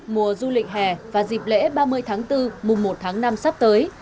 mùa du lịch hè và dịp lễ ba mươi tháng bốn mùa một tháng năm sắp tới